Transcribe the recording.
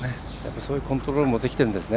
そういうコントロールもできてるんですね。